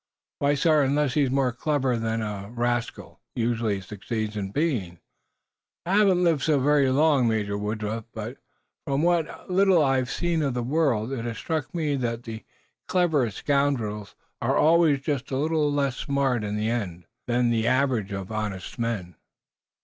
"Why, sir, unless he's more clever than a rascal usually succeeds in being. I haven't lived so very long, Major Woodruff, but, from what little I've seen of the world, it has struck me that the cleverest scoundrels are always just a little less smart, in the end, than the average of honest men."